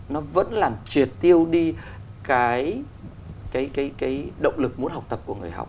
nó vẫn làm triệt tiêu đi cái động lực muốn học tập của người học